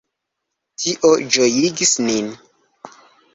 Tio ĝojigis nin.